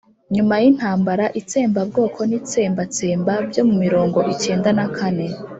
nyuma y'intambara, itsembabwoko n'itsembatsemba byo mu mirongo icyenda na kane,